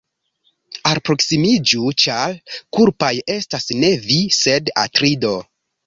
Alproksimiĝu, ĉar kulpaj estas ne vi, sed Atrido.